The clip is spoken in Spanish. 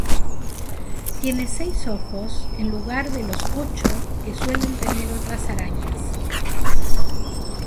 Tiene seis ojos en lugar de los ocho que suelen tener otras arañas.